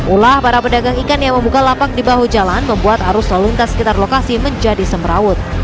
ulah para pedagang ikan yang membuka lapak di bahu jalan membuat arus lalu lintas sekitar lokasi menjadi semerawut